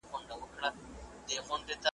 که وخت وي، زده کړه کوم؟